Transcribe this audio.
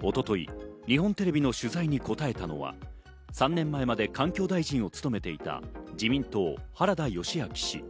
一昨日、日本テレビの取材に答えたのは３年前まで環境大臣を務めていた自民党・原田義昭氏。